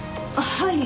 はい。